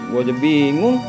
gue aja bingung